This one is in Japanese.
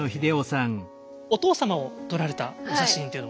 お父様を撮られたお写真っていうのもね。